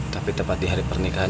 tapi tepat di hari pernikahan